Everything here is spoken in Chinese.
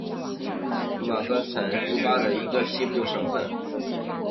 马坦萨斯省是古巴的一个西部省份。